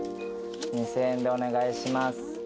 ２，０００円でお願いします。